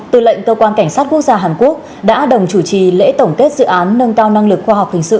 tư lệnh cơ quan cảnh sát quốc gia hàn quốc đã đồng chủ trì lễ tổng kết dự án nâng cao năng lực khoa học hình sự